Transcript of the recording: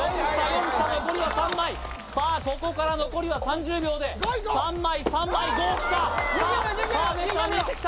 ４きた残りは３枚さあここから残りは３０秒で３枚３枚５きたさあパーフェクトが見えてきた